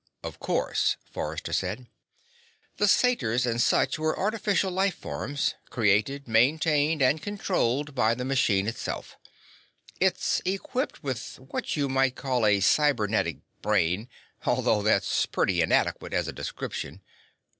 "Of course," Forrester said. "The satyrs and such were artificial life forms, created, maintained and controlled by the machine itself. It's equipped with what you might call a cybernetic brain although that's pretty inadequate as a description.